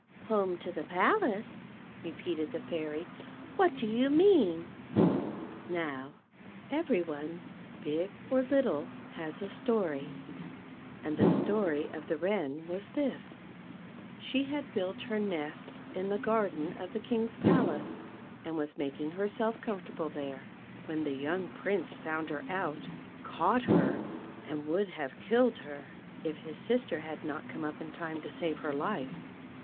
'*"" Home to the palace }" repeated the Fairy. "What do you mean .*" Now every one, big or little, has a story; and the story of the Wren was this: — She had built her nest in the garden of the King's palace, and was making herself comfortable there, when the young Prince found her out, caught her, and would have killed her, if his sister had not come up in time to save her life.